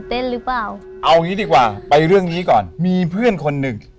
หรือเปล่าเอางี้ดีกว่าไปเรื่องนี้ก่อนมีเพื่อนคนหนึ่ง